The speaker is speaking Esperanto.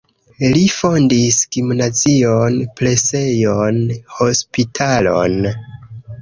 Li fondis gimnazion, presejon, hospitalon.